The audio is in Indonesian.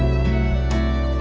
aku mau ke sana